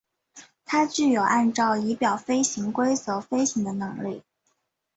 它具有按照仪表飞行规则飞行的能力。